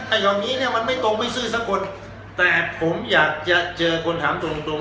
อย่างงี้เนี่ยมันไม่ตรงไม่ซื้อสักคนแต่ผมอยากจะเจอคนถามตรงตรง